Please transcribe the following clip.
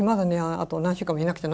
あと何週間もいなくちゃ